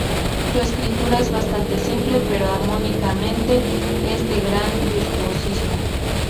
Su escritura es bastante simple pero armónicamente es de gran virtuosismo.